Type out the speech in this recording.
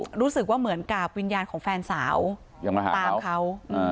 รู้สึกว่าเหมือนกับวิญญาณของแฟนสาวตามเขา